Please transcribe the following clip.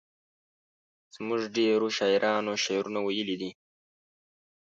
زموږ ډیرو شاعرانو شعرونه ویلي دي.